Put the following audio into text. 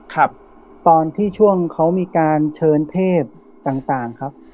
ครับตอนที่ช่วงเขามีการเชิญเทพต่างต่างครับ